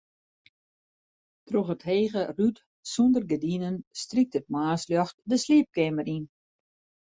Troch it hege rút sûnder gerdinen strykt it moarnsljocht de sliepkeamer yn.